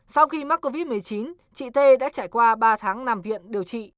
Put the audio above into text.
sau khi mắc covid một mươi chín chị thê đã trải qua ba tháng nằm viện điều trị